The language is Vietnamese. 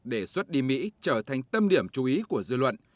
để xuất đi mỹ trở thành tâm điểm chú ý của dư luận